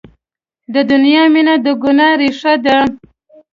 د دنیا مینه د ګناه ریښه ده.